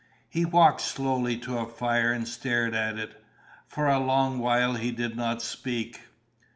He walked slowly to a fire and stared at it. For a long while he did not speak.